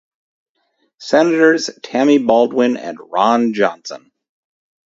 Senators Tammy Baldwin and Ron Johnson.